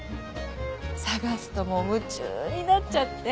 探すともう夢中になっちゃって。